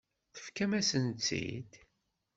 Tefkam-asen-tt-id.